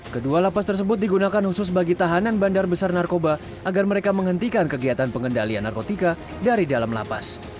kedua lapas tersebut digunakan khusus bagi tahanan bandar besar narkoba agar mereka menghentikan kegiatan pengendalian narkotika dari dalam lapas